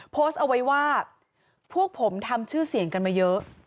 โพสต์เอาไว้ว่าพวกผมทำชื่อเสียงกันมาเยอะ